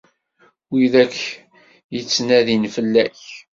Wid akk yettnadin fell-ak.